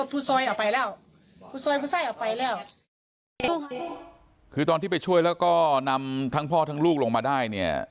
พูดซอยพูดใส่ออกไปแล้วคือตอนที่ไปช่วยแล้วก็นำทั้งพ่อทั้งลูกลงมาได้เนี้ย